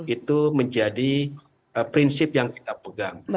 itu menjadi prinsip yang kita pegang